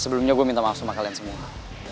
sebelumnya gue minta maaf sama kalian semua